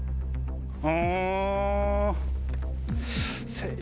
うん。